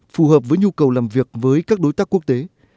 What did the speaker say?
phù hợp với nhu cầu làm việc với các đối tác quốc tế